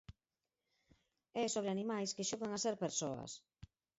É sobre animais que xogan a ser persoas.